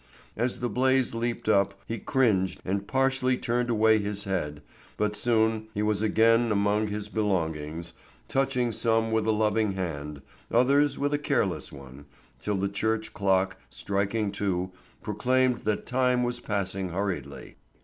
As the blaze leaped up he cringed and partially turned away his head, but soon he was again amongst his belongings, touching some with a loving hand, others with a careless one, till the church clock, striking two, proclaimed that time was passing hurriedly.